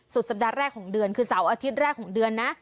สัปดาห์แรกของเดือนคือเสาร์อาทิตย์แรกของเดือนนะ